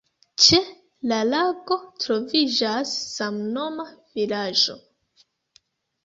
Ĉe la lago troviĝas samnoma vilaĝo.